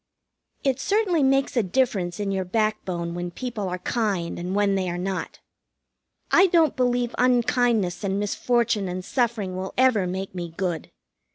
It certainly makes a difference in your backbone when people are kind and when they are not. I don't believe unkindness and misfortune and suffering will ever make me good.